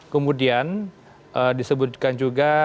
kemudian disebutkan juga